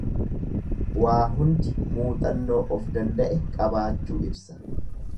Waa hundi muuxannoo of danda'e qabaachuu ibsa.